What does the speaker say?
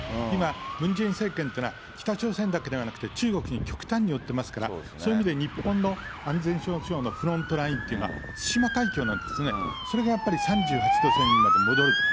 今、ムン・ジェイン政権というのは北朝鮮だけではなくて、中国に極端に寄ってますから、そういう意味で日本の安全保障のフロントラインというのは、対馬海峡なんですね、それがやっぱり３８度線にまで戻る。